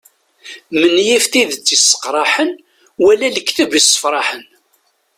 Menyif tidet isseqraḥen wala lekteb issefraḥen.